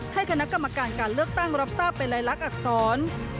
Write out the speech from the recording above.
คณะกรรมการการเลือกตั้งรับทราบเป็นลายลักษร